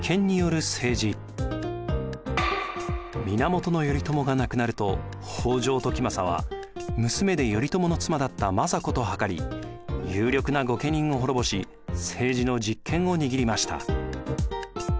源頼朝が亡くなると北条時政は娘で頼朝の妻だった政子と謀り有力な御家人を滅ぼし政治の実権を握りました。